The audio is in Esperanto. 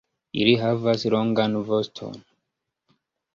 Ili havas longan voston.